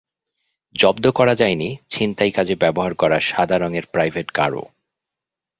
জব্দ করা যায়নি ছিনতাই কাজে ব্যবহার করা সাদা রঙের প্রাইভেট কারও।